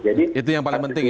jadi itu yang paling penting ya